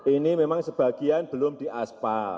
ini memang sebagian belum diaspal